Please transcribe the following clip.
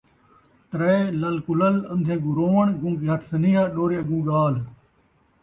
ترائے لل کلل، اندھے اڳوں رووݨ، گنگے ہتھ سنیہا، ݙورے اڳوں ڳالھ